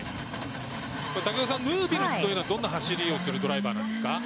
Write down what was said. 竹岡さんヌービルというのはどんな走り方をするドライバーなんですか？